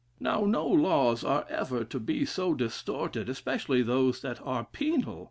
Now no laws are ever to so distorted, especially those that are penal.